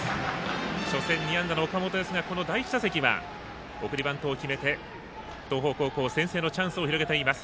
初戦２安打の岡本ですがこの第１打席は送りバントを決めて、東邦高校先制のチャンスを広げています。